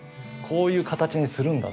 こういう形にするんだ